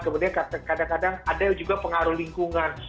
kemudian kadang kadang ada juga pengaruh lingkungan